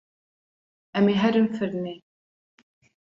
Em ê herin firnê.